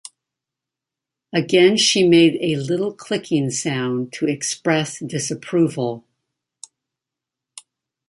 Again she made a little clicking sound to express disapproval.